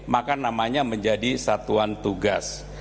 maka namanya menjadi satuan tugas